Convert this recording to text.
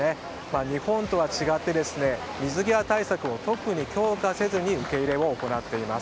日本とは違って水際対策を特に強化せずに受け入れを行っています。